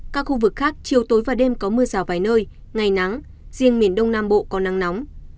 các khu vực khác chiều tối và đêm có mưa rào vài nơi ngày nắng riêng miền đông nam bộ có nắng nóng